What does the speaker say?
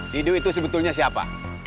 didu itu sebetulnya siapa